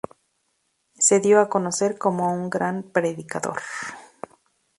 Se dio a conocer como un gran predicador.